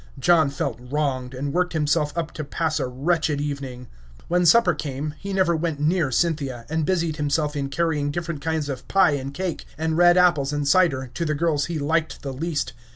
John felt wronged, and worked himself up to pass a wretched evening. When supper came, he never went near Cynthia, and busied himself in carrying different kinds of pie and cake, and red apples and cider, to the girls he liked the least.